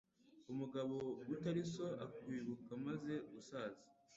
Umugabo utari so akwibuka amaze gusaza